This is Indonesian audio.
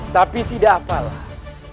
tapi tidak apalah